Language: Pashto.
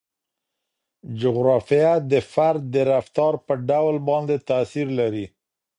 جغرافیه د فرد د رفتار په ډول باندې تاثیر لري.